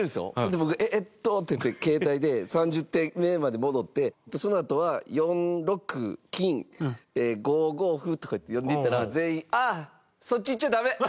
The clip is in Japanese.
で僕「えっと」って言って携帯で３０手目まで戻ってそのあとは「４六金５五歩」とかって読んでいったら全員。